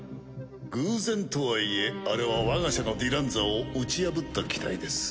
偶然とはいえあれは我が社のディランザを打ち破った機体です。